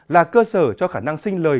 là cơ sở cho khả năng sinh lời